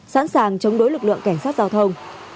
sẵn sàng chống đối lực lượng cảnh sát giao thông